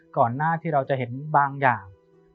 ก่อนหน้าที่เราจะเห็นบางอย่าง